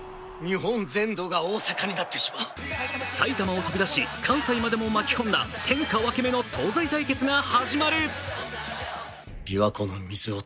埼玉を飛び出し、関西までをも巻き込んだ天下分け目の東西対決が始まる。